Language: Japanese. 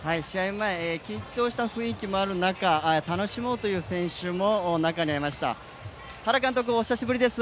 前、緊張した雰囲気もある中、楽しもうという選手も中にはいました、原監督、お久しぶりです。